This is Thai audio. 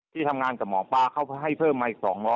ที่ทำงานกับหมอปลาเขาให้เพิ่มมาอีก๒๐๐